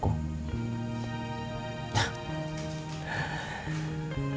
aku akan mencari penyakitmu